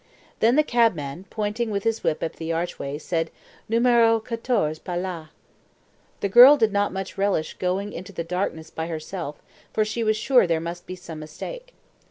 Then the cabman, pointing with his whip up the archway, said, "Numero quatorze, par là." The girl did not much relish going into the darkness by herself, for she was sure there must be some mistake.